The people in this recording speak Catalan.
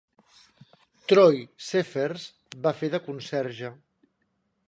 Troy Cephers va fer de conserge.